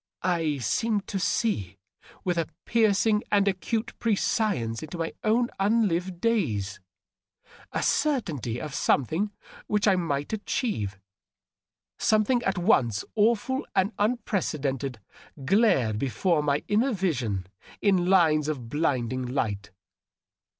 •. I seemed to see with a piercing and acute prescience into my own unlived days. A certainty of something which I might adhieve — something at once awful and un precedented — glared before my inner vision in lines of blinding light.